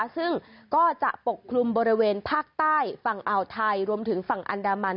ซึ่งก็จะปกคลุมบริเวณภาคใต้ฝั่งอ่าวไทยรวมถึงฝั่งอันดามัน